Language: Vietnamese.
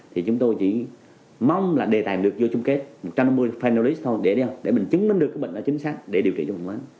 thì chúng tôi chỉ mong là đề tài được vô chung kết một trăm năm mươi finalist thôi để mình chứng minh được bệnh là chính xác để điều trị cho bệnh vấn